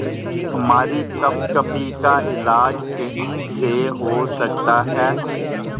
ہماری کپکپی کا علاج کہیں سے ہو سکتا ہے؟